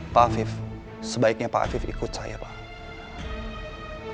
pak afif sebaiknya pak afif ikut saya pak